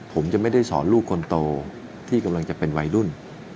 ผมจะไม่ได้สอนลูกคนโตที่กำลังจะเป็นวัยรุ่น